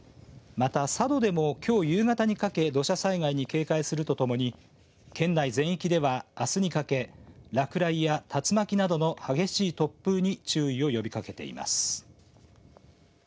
また、佐渡でもきょう夕方にかけ土砂災害に警戒するとともに県内全域では、あすにかけ落雷や竜巻などの激しい突風に注意を呼びかけています。